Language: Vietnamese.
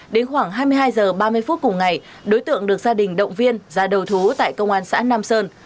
đến khoảng hai mươi hai h ba mươi phút cùng ngày đối tượng được gia đình động viên ra đầu thú tại công an xã nam sơn